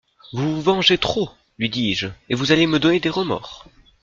Vous vous vengez trop ! lui dis-je, et vous allez me donner des remords.